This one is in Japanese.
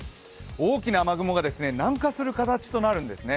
大きな雨雲が南下する形となるんですね。